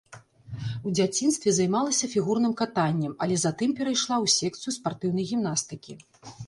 У дзяцінстве займалася фігурным катаннем, але затым перайшла ў секцыю спартыўнай гімнастыкі.